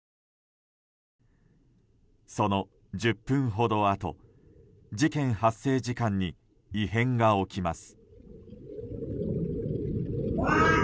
その１０分ほどあと事件発生時間に異変が起きます。